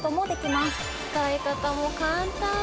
使い方も簡単！